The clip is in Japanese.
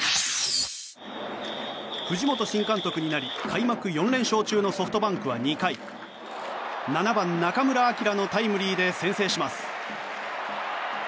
藤本新監督になり開幕４連勝中のソフトバンクは２回７番、中村晃のタイムリーで先制します。